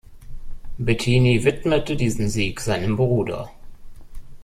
Bettini widmete diesen Sieg seinem Bruder.